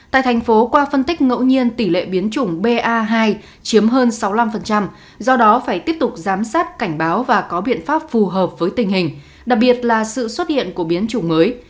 tại thành phố qua phân tích ngẫu nhiên tỷ lệ biến chủng ba chiếm hơn sáu mươi năm do đó phải tiếp tục giám sát cảnh báo và có biện pháp phù hợp với tình hình đặc biệt là sự xuất hiện của biến chủng mới